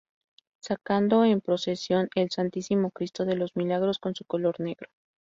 Sacando en Procesión al Santísimo Cristo de los Milagros, con su color negro.